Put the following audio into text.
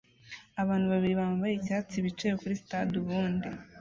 Abantu babiri bambaye icyatsi bicaye kuri stade ubundi